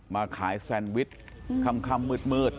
มาขายแซนวิชค่ำมืด